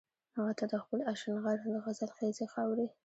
هغه ته د خپل اشنغر د غزل خيزې خاورې